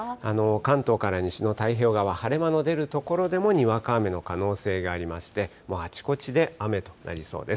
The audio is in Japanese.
関東から西の太平洋側、晴れ間の出る所でもにわか雨の可能性がありまして、もうあちこちで雨となりそうです。